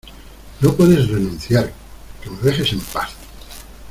no puedes renunciar. ¡ que me dejes en paz!